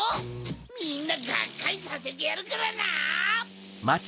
みんなガッカリさせてやるからな！